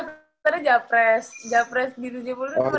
daftarnya japres japres di uj sepuluh